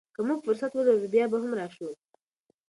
که موږ فرصت ولرو، بیا به هم راشو.